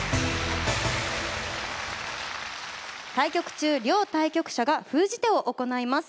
対局中両対局者が封じ手を行います。